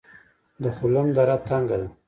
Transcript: د خلم دره تنګه ده